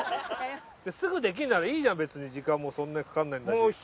いやすぐできんならいいじゃんに時間もそんなにかかんないんだし。